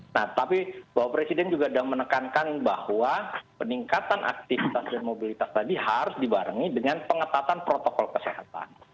nah tapi bapak presiden juga sudah menekankan bahwa peningkatan aktivitas dan mobilitas tadi harus dibarengi dengan pengetatan protokol kesehatan